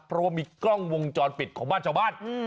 เพราะว่ามีกล้องวงจรปิดของบ้านชาวบ้าน